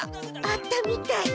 あったみたい。